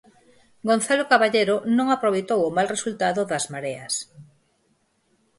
Gonzalo Caballero non aproveitou o mal resultado das mareas.